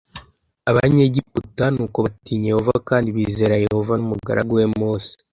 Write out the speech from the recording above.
Abanyegiputa nuko batinya Yehova kandi bizera Yehova n umugaragu we Mose